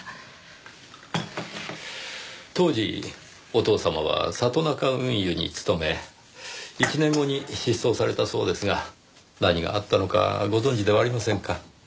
当時お父様は里中運輸に勤め１年後に失踪されたそうですが何があったのかご存じではありませんか？